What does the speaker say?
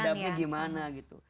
adabnya gimana gitu